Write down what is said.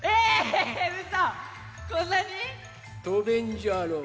とべんじゃろう？